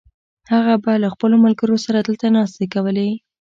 هغه به له خپلو ملګرو سره دلته ناستې کولې.